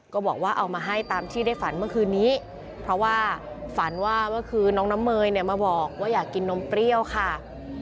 ก็บอกว่าเอามาให้ตามที่ได้ฝันเมื่อคืนนี้เพราะว่าฝันว่าเมื่อคืนน้องน้ำเมยเนี่ยมาบอกว่าอยากกินนมเปรี้ยวค่ะ